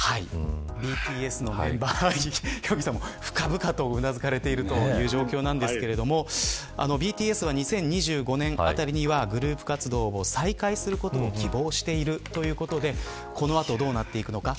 ヒョンギさんも深々とうなずかれている状況ですがＢＴＳは２０２５年あたりにはグループ活動を再開することを希望しているということでこの後どうなっていくのか。